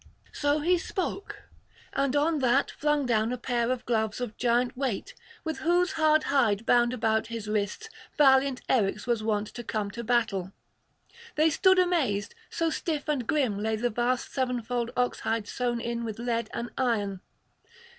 So he spoke, and on that flung down a pair of gloves of giant weight, with whose hard hide bound about his wrists valiant Eryx was wont to come to battle. They stood amazed; so stiff and grim lay the vast sevenfold oxhide sewed in with lead and iron.